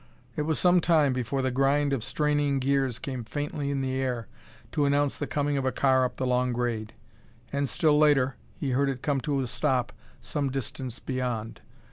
It was some time before the grind of straining gears came faintly in the air to announce the coming of a car up the long grade. And still later he heard it come to a stop some distance beyond.